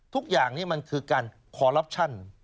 ทุกอย่างนี้มันคือการคอลลับชั่น